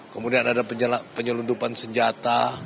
kemudian ada penyelundupan senjata